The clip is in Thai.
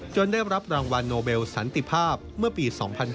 ได้รับรางวัลโนเบลสันติภาพเมื่อปี๒๕๕๙